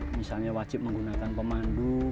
misalnya wajib menggunakan pemandu